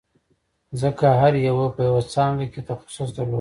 ځکه هر یوه په یوه څانګه کې تخصص درلود